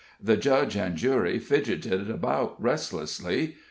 The judge and jury fidgeted about restlessly.